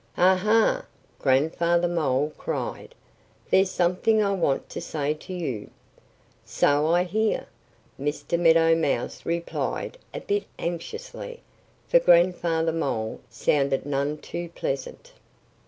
"Ah, ha!" Grandfather Mole cried. "There's something I want to say to you." "So I hear!" Mr. Meadow Mouse replied a bit anxiously, for Grandfather Mole sounded none too pleasant.